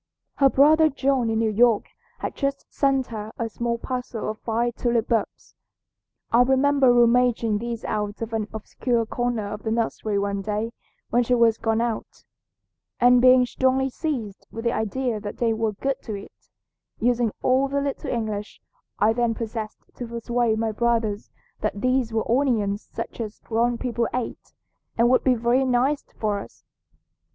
Her brother John in New York had just sent her a small parcel of fine tulip bulbs. I remember rummaging these out of an obscure corner of the nursery one day when she was gone out, and being strongly seized with the idea that they were good to eat, using all the little English I then possessed to persuade my brothers that these were onions such as grown people ate and would be very nice for us.